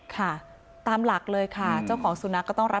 ค่ะตามหลักเลยค่ะ